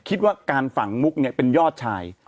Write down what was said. คิดว่าการฝังมุกเนี่ยเป็นยอดชาย